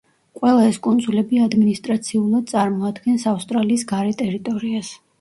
ყველა ეს კუნძულები ადმინისტრაციულად წარმოადგენს ავსტრალიის გარე ტერიტორიას.